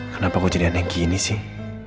kenapa gue jadi aneh gini sih